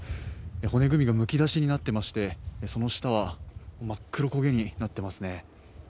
骨組みがむき出しになっていまして、その下は真っ黒焦げになっていますね。